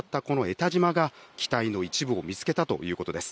たじまが、機体の一部を見つけたということです。